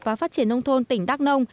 và phát triển nông thôn tỉnh đắc nông